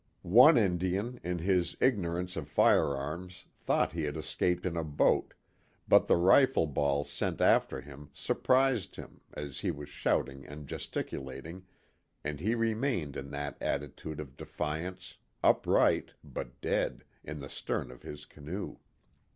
One Indian in his ignorance of fire arms thought he had escaped in a boat, but the rifle ball sent after him surprised him as he was shouting and gesticulating, and he remained in that attitude of defiance, upright but dead, in the stern of his canoe.